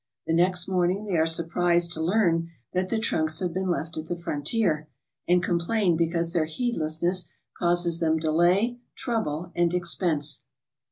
The next morning they are surprised to learn that the trunks have been left at the frontier, and complain because their heed lessness causes them delay, trouble, and expense.